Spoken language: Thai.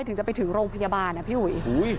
ถึงจะไปถึงโรงพยาบาลนะพี่อุ๋ย